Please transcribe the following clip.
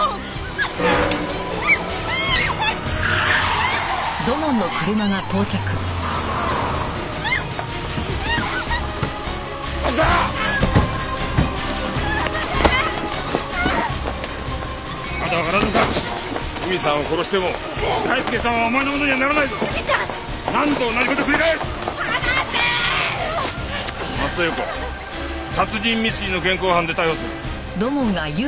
増田裕子殺人未遂の現行犯で逮捕する。